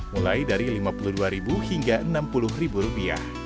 mulai dari rp lima puluh dua hingga rp enam puluh